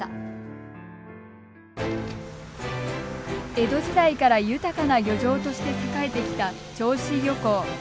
江戸時代から豊かな漁場として栄えてきた銚子漁港。